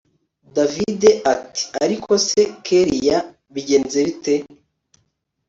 davide ati ariko se kellia ! bigenze bite